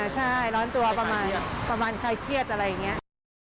ใช่ร้อนตัวประมาณใครเครียดอะไรอย่างนี้